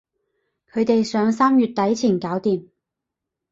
佢哋想三月底前搞掂